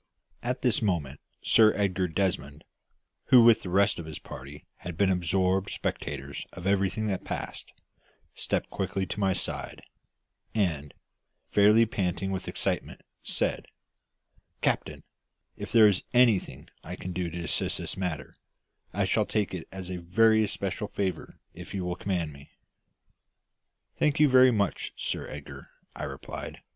At this moment Sir Edgar Desmond, who with the rest of his party had been absorbed spectators of everything that passed, stepped quickly to my side, and, fairly panting with excitement, said "Captain, if there is anything I can do to assist in this matter, I shall take it as a very especial favour if you will command me." "Thank you very much, Sir Edgar," I replied.